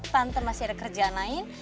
tante masih ada kerjaan lain